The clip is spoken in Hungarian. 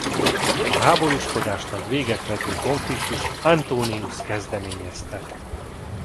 A háborúskodásnak véget vető konfliktust Antonius kezdeményezte.